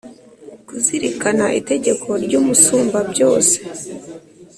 kuzirikana itegeko ry’Umusumbabyose.